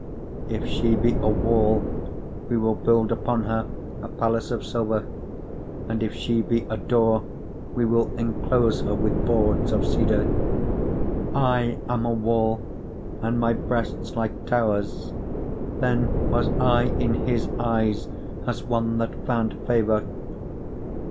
8:9 If she be a wall, we will build upon her a palace of silver: and if she be a door, we will inclose her with boards of cedar. 8:10 I am a wall, and my breasts like towers: then was I in his eyes as one that found favour.